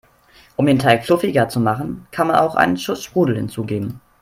Um den Teig fluffiger zu machen, kann man auch einen Schuss Sprudel hinzugeben.